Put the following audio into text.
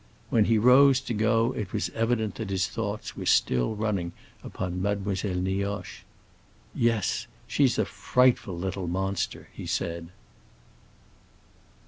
When he rose to go it was evident that his thoughts were still running upon Mademoiselle Nioche. "Yes, she's a frightful little monster!" he said.